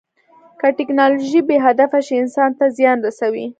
که ټیکنالوژي بې هدفه شي، انسان ته زیان رسوي.